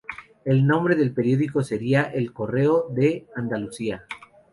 El nombre del periódico sería "El Correo de Andalucía".